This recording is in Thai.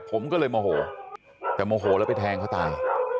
ผมก็เลยโมโหแต่โมโหแล้วไปแทงเขาตาย